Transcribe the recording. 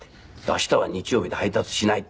明日は日曜日で配達しないって。